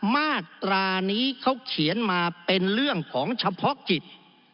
มาตรานี้เขาเขียนมาเป็นเรื่องของเฉพาะกิจ